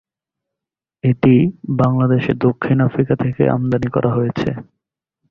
এটি বাংলাদেশে দক্ষিণ আফ্রিকা থেকে আমদানী করা হয়েছে।